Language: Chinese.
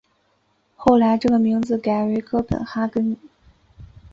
后来这个名字改成哥本哈根。